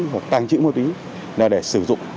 hoặc tàng trữ ma túy là để sử dụng